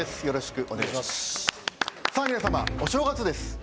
よろしくお願いします。